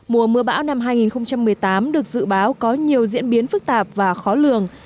mùa mưa bão năm hai nghìn một mươi tám được dự báo có nhiều diễn biến phức tạp và khó lường